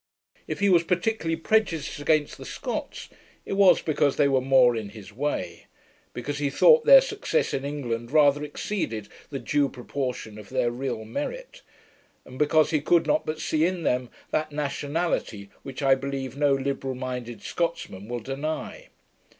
If he was particularly prejudiced against the Scots, it was because they were more in his way; because he thought their success in England rather exceeded the due proportion of their real merit; and because he could not but seen in them that nationality which I believe no liberal minded Scotsman will deny.